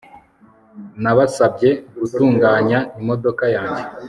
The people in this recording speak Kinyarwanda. Nabasabye gutunganya imodoka yanjye